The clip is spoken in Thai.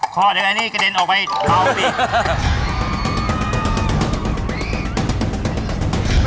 ข้อเดี๋ยวอันนี้กระเด็นออกไปเอาออกไป